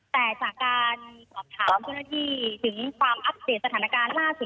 แต่จากการสอบถามเจ้าหน้าที่ถึงความอัปเดตสถานการณ์ล่าสุด